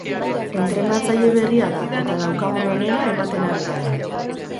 Entrenatzaile berria da eta daukagun onena ematen ari gara.